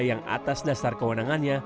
yang atas dasar kewenangannya